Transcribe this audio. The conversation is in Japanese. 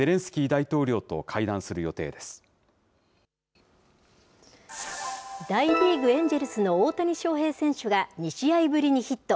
大リーグ・エンジェルスの大谷翔平選手が、２試合ぶりにヒット。